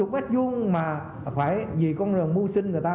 bốn mươi mét vuông mà phải vì con rừng mua sinh người ta